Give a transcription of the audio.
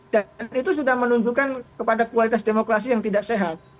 dan itu sudah menunjukkan kepada kualitas demokrasi yang tidak sehat